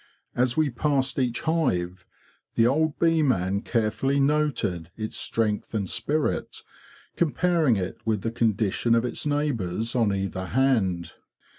As we passed each hive, the old bee man carefully noted its strength and spirit, comparing it with the condition of its neighbours on either hand.